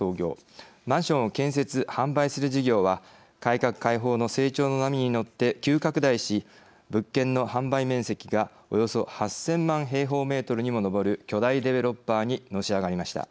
マンションを建設販売する事業は改革開放の成長の波に乗って急拡大し物件の販売面積がおよそ８，０００万平方メートルにも上る巨大デベロッパーにのし上がりました。